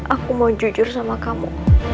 aku mau jujur sama kamu